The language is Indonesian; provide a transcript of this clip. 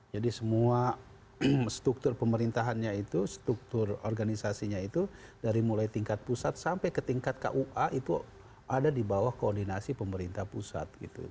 jadi semua struktur pemerintahannya itu struktur organisasinya itu dari mulai tingkat pusat sampai ke tingkat kua itu ada di bawah koordinasi pemerintah pusat